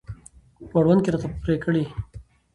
په مړوند کې راته پرې کړي.